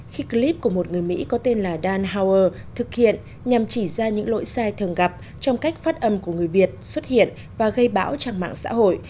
khi clip của một người mỹ có tên là dan hower thực hiện nhằm chỉ ra những lỗi sai thường gặp trong cách phát âm của người việt xuất hiện và gây bão trang mạng xã hội